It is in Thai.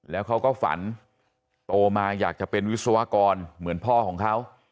แล้วเขาก็ฝันโตมาอยากจะเป็นวิศวกรเหมือนพ่อของเขา